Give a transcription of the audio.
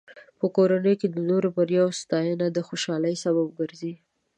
په کورنۍ کې د نورو بریاوو ستاینه د خوشحالۍ سبب ګرځي.